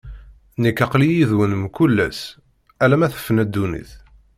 Nekk, aql-i yid-wen mkul ass, alamma tefna ddunit.